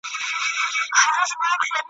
ته لکه غنچه زه به شبنم غيږي ته درسمه `